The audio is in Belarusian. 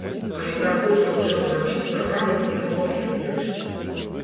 Калі так хутка ўсё зрабіць, праграмы будуць горш, чым ёсць.